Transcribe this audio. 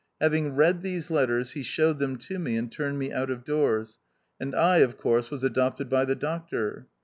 Having read these letters, he showed them to me, and turned me out of doors ; and I, of course, was adopted by the Doctor.